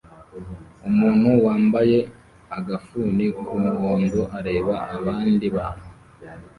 Umuntu wambaye agafuni k'umuhondo areba abandi bantu